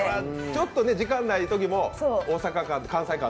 ちょっと時間ないときも大阪感、関西感